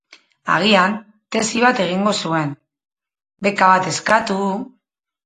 Agian, tesi bat egingo zuen, beka bat eskatu...